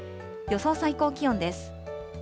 予想最高気温です。